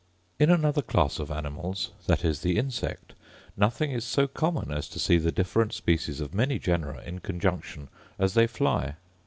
In another class of animals, viz., the insect, nothing is so common as to see the different species of many genera in conjunction as they fly.